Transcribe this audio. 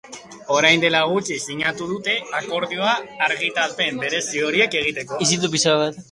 Orain dela gutxi sinatu dute akordioa argitalpen berezi horiek egiteko.